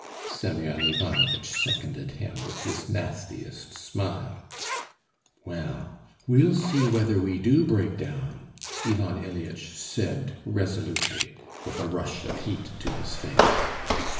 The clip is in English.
"He he he," Semyon Ivanovitch seconded him with his nastiest smile. "Well, we'll see whether we do break down!" Ivan Ilyitch said resolutely, with a rush of heat to his face.